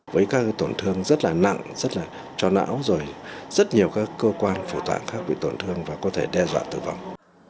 với các tổn thương rất là nặng rất là cho não rồi rất nhiều các cơ quan phủ tạng khác bị tổn thương và có thể đe dọa tử vong